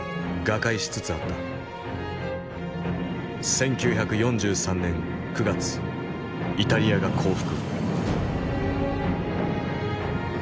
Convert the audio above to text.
１９４３年９月イタリアが降伏。